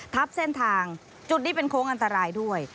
ทับเส้นทางจุดนี้เป็นโค้งอันตรายด้วย